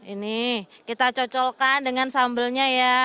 ini kita cocokkan dengan sambalnya ya